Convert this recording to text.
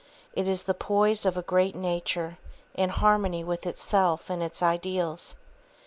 It is the poise of a great nature, in harmony with itself and its ideals.